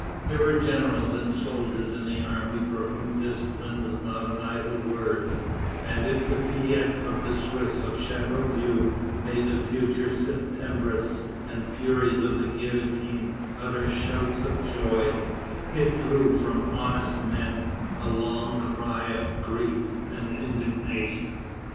There were generals and soldiers in the army for whom discipline was not an idle word; and if the fête of the Swiss of Chateauvieux made the future Septembrists and furies of the guillotine utter shouts of joy, it drew from honest men a long cry of grief and indignation.